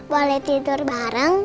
boleh tidur bareng